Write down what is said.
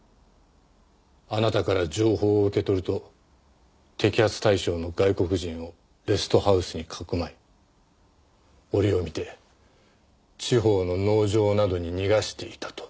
あなたから情報を受け取ると摘発対象の外国人をレストハウスにかくまい折を見て地方の農場などに逃がしていたと。